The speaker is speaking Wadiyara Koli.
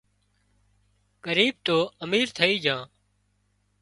ڳريٻ تو امير ٿئي جھان